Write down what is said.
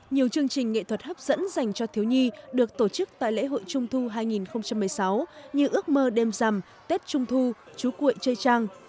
nhiều chương trình nghệ thuật hấp dẫn dành cho thiếu nhi được tổ chức tại lễ hội trung thu hai nghìn một mươi sáu như ước mơ đêm rằm tết trung thu chú cuội chơi trang